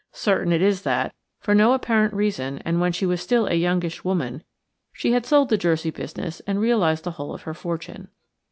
Certain it is that, for no apparent reason, and when she was still a youngish woman, she had sold the Jersey business and realised the whole of her fortune.